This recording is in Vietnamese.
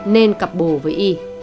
nên cặp bồ với y